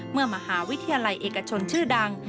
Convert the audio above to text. มหาวิทยาลัยเอกชนชื่อดัง